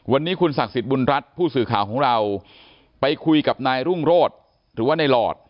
วันนี้คุณศักดิ์สิทธิ์บุญรัฐผู้สื่อข่าวของเราไปคุยกับนายรุ่งโรธหรือว่าในหลอด